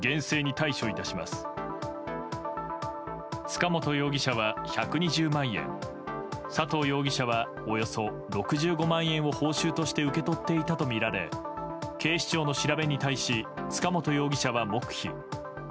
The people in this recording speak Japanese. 塚本容疑者は１２０万円佐藤容疑者はおよそ６５万円を報酬として受け取っていたとみられ警視庁の調べに対し塚本容疑者は黙秘。